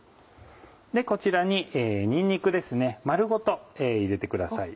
こちらににんにく丸ごと入れてください。